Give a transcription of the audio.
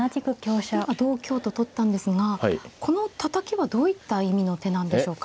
今同香と取ったんですがこのたたきはどういった意味の手なんでしょうか。